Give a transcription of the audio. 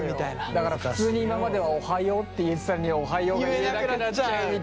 だから普通に今までは「おはよう」って言えてたのに「おはよう」言えなくなっちゃうみたいな。